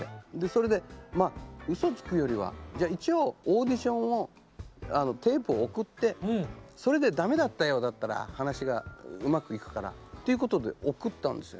それで嘘つくよりはじゃあ一応オーディションをテープを送ってそれでダメだったようだったら話がうまくいくからということで送ったんです。